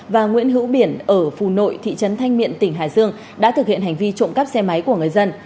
và nguyễn hữu biển ở phù nội thị trấn thanh miện tỉnh hải dương đã thực hiện hành vi trộm cắp xe máy của người dân